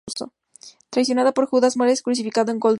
Traicionado por Judas, muere crucificado en el Gólgota.